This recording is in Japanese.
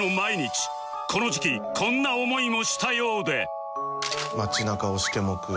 この時期こんな思いもしたようで